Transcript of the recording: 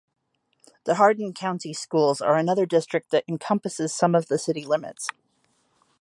The Hardin County Schools are another district that encompasses some of the city limits.